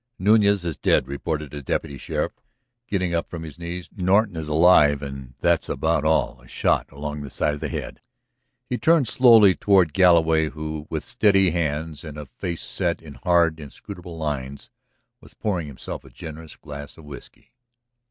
"Nuñez is dead," reported the deputy sheriff, getting up from his knees. "Norton is alive and that's about all. A shot along the side of the head." He turned slowly toward Galloway who, with steady hands and his face set in hard, inscrutable lines, was pouring himself a generous glass of whiskey.